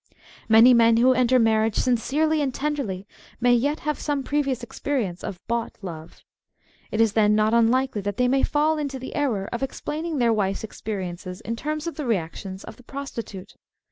Many men who enter marriage sincerely and tenderly may yet have some previous experience of bought " love." It is then not unlikely that they may fall into the error of explaining their wife's experi ences in terms of the reactions of the prostitute.